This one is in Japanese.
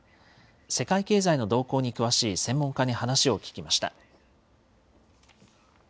世界経済の動向に詳しい専門家に話を聞きました。